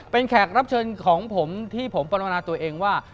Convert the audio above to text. เป็นแขกรับเชิญของผมที่ผมปรณาตัวเองว่า